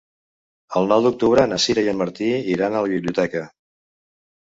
El nou d'octubre na Sira i en Martí iran a la biblioteca.